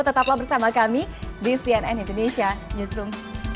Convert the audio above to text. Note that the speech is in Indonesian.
tetaplah bersama kami di cnn indonesia newsroom